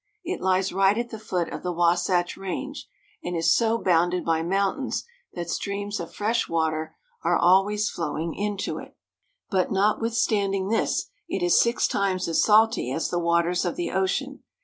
It lies right at the foot of the Wasatch Range, and is so bounded by mountains that streams of fresh water are al ways flowing into it ; but, notwithstanding this, it is six times as salty as the waters of the ocean.